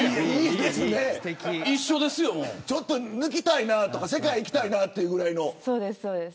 ちょっと抜きたいなとか世界行きたいぐらいの。